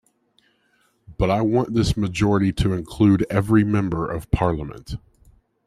But I want this majority to include every member of parliament.